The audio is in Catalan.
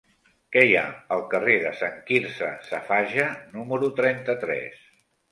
Què hi ha al carrer de Sant Quirze Safaja número trenta-tres?